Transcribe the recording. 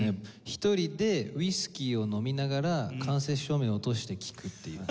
一人でウイスキーを飲みながら間接照明を落として聴くっていう。